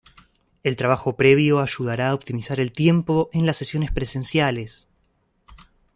El trabajo previo ayudará a optimizar el tiempo en las sesiones presenciales.